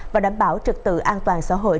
và đảm bảo trực tự an toàn xã hội